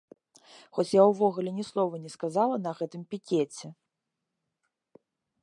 Хоць я ўвогуле ні слова не сказала на гэтым пікеце!